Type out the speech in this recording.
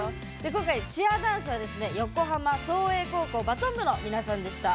今回チアダンスは横浜創英高校バトン部の皆さんでした。